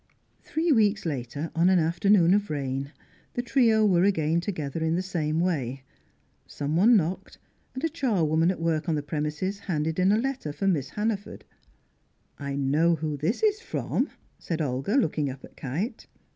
Three weeks later, on an afternoon of rain, the trio were again together in the same way. Someone knocked, and a charwoman at work on the premises handed in a letter for Miss Hannaford. "I know who this is from," said Olga, looking up at Kite.